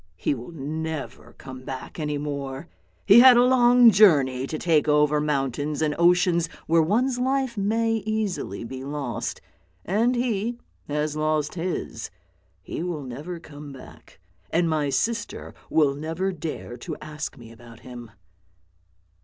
" He will never come back any more. He had a long journey to take over mountains and oceans where one's life may easily be lost, and he has lost his. He will never come back, and my sister will never dare to ask me about him."